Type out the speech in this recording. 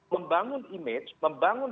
membangun image membangun